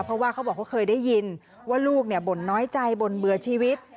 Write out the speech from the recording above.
เพราะว่าเขาบอกเขาเคยได้ยินว่าลูกบ่นน้อยใจบ่นเบื่อชีวิต